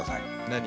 何？